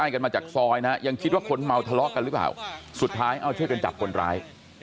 ก็ยังคิดว่าคนเมาทะเลาะกันหรือเปล่าสุดท้ายเอาเทพกันจับคนร้าย